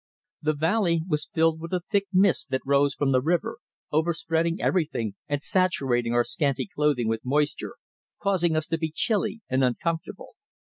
The valley was filled with a thick mist that rose from the river, overspreading everything and saturating our scanty clothing with moisture, causing us to be chilly and uncomfortable.